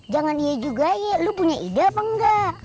jangan iya juga ya lu punya ide apa enggak